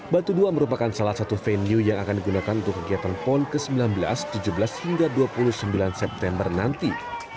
batu dua merupakan salah satu venue yang akan digunakan untuk kegiatan pon ke sembilan belas tujuh belas hingga dua puluh sembilan september nanti